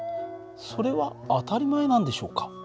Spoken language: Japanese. それは当たり前なんでしょうか。